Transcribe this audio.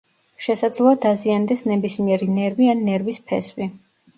შესაძლოა დაზიანდეს ნებისმიერი ნერვი ან ნერვის ფესვი.